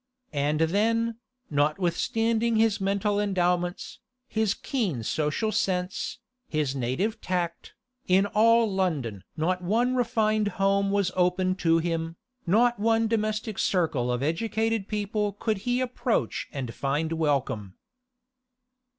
And then, notwithstanding his mental endowments, his keen social sense, his native tact, in all London not one refined home was open to him, not one domestic circle of educated people could he approach and find a welcome.